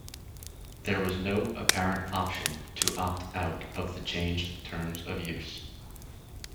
There was no apparent option to opt out of the changed terms of use.